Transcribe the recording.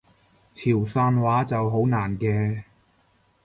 潮汕話就好難嘅